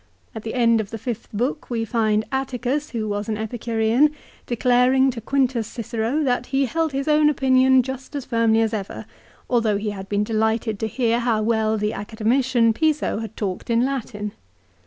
At the end of the fifth book we find Atticus who was an Epicurean, declaring to Quintus Cicero that he held his own opinion just as firmly as ever, although he had been delighted to hear how well the Academician Piso had talked in Latin.